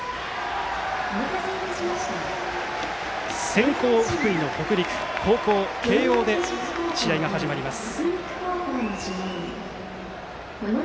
先攻、福井の北陸後攻、慶応で試合が始まります。